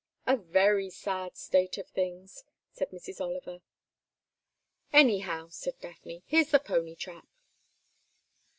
"A very sad state of things," said Mrs. Oliver. "Anyhow," said Daphne, "here's the pony trap."